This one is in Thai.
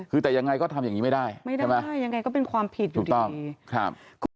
คือแต่ยังไงก็ทำอย่างงี้ไม่ได้ใช่ไหมไม่ได้ยังไงก็เป็นความผิดอยู่ดีถูกต้องครับ